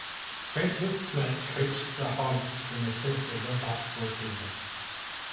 Francis Schmidt coached the Hogs in their first ever basketball season.